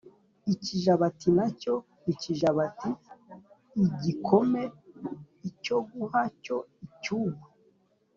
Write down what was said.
ikijabati na cyo ikijabat i gikome icyoguha cyo icyugu